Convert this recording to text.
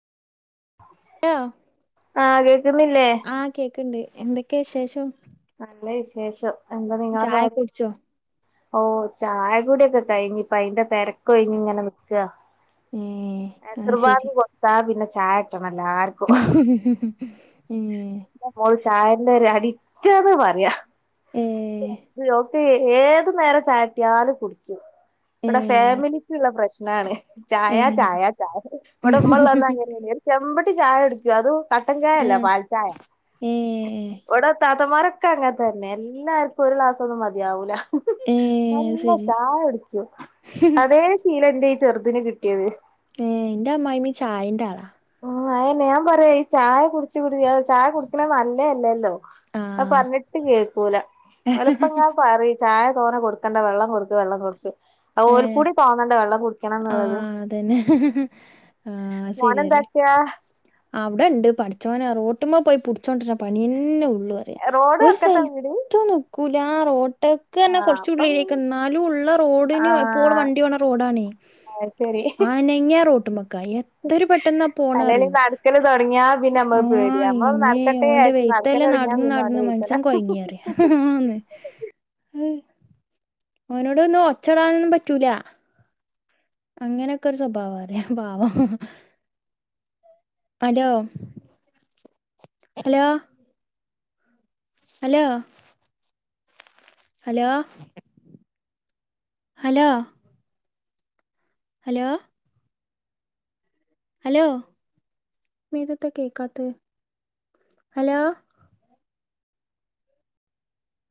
Hello? ആഹ് കേക്കുന്നില്ലേ ആഹ് കേക്ണ്ട് എന്തൊക്കെ വിശേഷം. നല്ല വിശേഷം എന്താ നിങ്ങളെ പാ ചായ കുടിച്ചോ ഓഹ് ചായ കൂടിക്കെ കഴിഞ്പ്പൊ അയിന്റെ തെരക്കെഒഴിഞ് ങ്ങനെ നിൽക ഏഹ് അസർ അത് ബാങ്ക് ശരി കൊട്ത്താ പിന്നെ ചായ ട്ടണം എല്ലാർക്കും. ഉം ഹ് ഹ് ന്റെ മോള് ചായന്റെ ഒരു അടിറ്റ്ന്ന പറയാ ഏഹ് ഏത് നേരം ചായട്യാലും കുടിക്കും ഇവിടെ ഏഹ് ഫാമിലിക്ക്ള്ള പ്രശ്നാണ്. ചായ ഏഹ് ചായ ചായ ഇവിടെ ഉമ്മള്ളന്ന് അങ്ങനെനു ഒരു ചെമ്പട്ടി ചായ കുടിക്കും അത് കട്ടൻ ചായല്ല ആഹ് പാൽ ചായ. ഏഹ് വിടെ താതമാരൊക്കെ അങ്ങെതന്നെ എല്ലാർക്കും ഒരു ക്‌ളാസോന്നും മതിയാവൂല. ഏഹ് അത് ന്നല്ല ശരി ചായ കുടിക്കും അതേ ശീലന്റെ ഈ ചെറുതിന് കിട്ടിയത്. ഏഹ് ഇന്റെ അമായ്മീം ചായന്റെ ആളാ ഉം അയന്നെ ഞാൻ പറയാ ഈ ചായ കുടിച് കുടിച്ച് ചായ കുടിക്കണ നല്ലേയല്ലല്ലോ. അത് ആഹ് പറഞ്ഞിട്ട് കേൾക്കൂല ഓലപ്പങ്ങനെ പറിം ചായ തോനെ കൊടുക്കണ്ട വെള്ളം കൊട്ക്ക് വെള്ളം കൊട്ക് അഹ് ഓല് ഏഹ് കൂടി തോന്നണ്ടേ വെള്ളം കുടിക്കണംന്നുള്ളത്. ആഹ് അതന്നെ ആഹ് ശരി അത് എന്താ ട അവിടെണ്ട് പഠിച്ചോനെ റോഡ്മ്മ പോയി പുട് ച്ചോണ്ടരണ പണിന്നെള്ളൂ റോഡ് ഒരു വക്കത്താ വീട് സൽത്തും ന്ന്ക്കൂല ആ റോട് ക് ആ അപ്പം കുറച്ചുള്ളിലേക്ക് എന്നാലുംള്ള ആ റോഡിന് എപ്പോൾ വണ്ടി പോണ റോഡാണേ ശരി അനെങ്ങ്യ റോട്ടുമക്കാ എത്രരു പെട്ടെന്നാ അല്ലേല് പോണറിയോ നടക്കല് തൊടങ്ങിയാ പിന്നെ നമ്മക്ക് പേടിയാ ആഹ് നമ്മളൊന്ന് ഇമ്മേ നടക്കട്ടെ ഓന്റെ വിചാരിച്ച് നടക്കല് വെയ്ത്തല് തൊടങ്ങിയാ നടന്ന് പിന്നെ ഓന്റെ നടന്ന് വെയ്ത്തലെ മനസ്യൻ കൊയങ്ങിയറിയ ആന്ന് അ ഹ്മു ഓനോടൊന്ന് ഒച്ചടാനൊന്നും പറ്റൂല അങ്ങനെയൊക്കെരു സ്വഭാവറിയ പാവം hello hello? Hello? Hello? Hello? Hello? Hello മീതത്തെ കേക്കാത്ത ഹലോ?